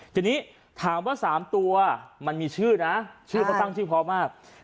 ทีนี้ถามว่า๓ตัวมันมีชื่อนะชื่อเขาตั้งชื่อพร้อมมาก